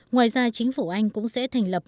ngoài ra chính phủ anh cũng sẽ thành lập